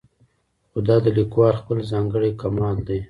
خو دا د لیکوال خپل ځانګړی کمال دی.